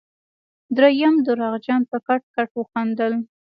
دريم درواغجن په کټ کټ وخندل.